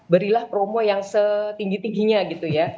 berilah promo yang setinggi tingginya gitu ya